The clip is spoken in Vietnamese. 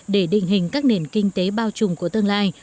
để định hình các nền kinh tế bao trùm của tương lai